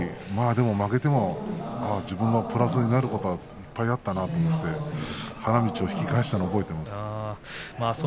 でも負けても自分のプラスになることがいっぱいあったなあって花道を引き返したのを覚えています。